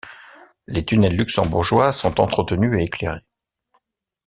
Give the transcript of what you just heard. Les tunnels luxembourgeois sont entretenus et éclairés.